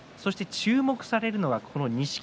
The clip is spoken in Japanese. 注目されるのは錦木